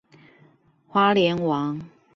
花蓮王